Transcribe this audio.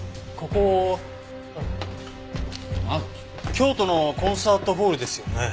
京都のコンサートホールですよね。